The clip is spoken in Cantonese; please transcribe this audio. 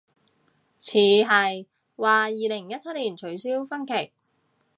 似係，話二零一七年取消婚期